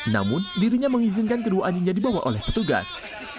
namun dirinya mengizinkan kedua anjingnya dibawa oleh petugas